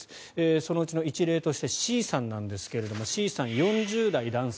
そのうちの一例としてＣさんなんですがＣさん、４０代男性